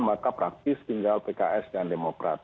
maka praktis tinggal pks dan demokrat